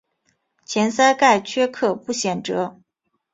前鳃盖缺刻不显着。